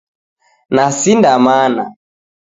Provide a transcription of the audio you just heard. Nasinda mana.